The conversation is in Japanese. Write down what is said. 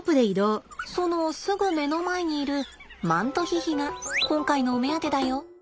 そのすぐ目の前にいるマントヒヒが今回のお目当てだよ。